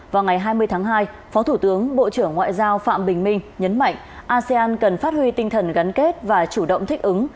vào ngày hai mươi tháng hai phó thủ tướng bộ trưởng ngoại giao phạm bình minh nhấn mạnh asean cần phát huy tinh thần gắn kết và chủ động thích ứng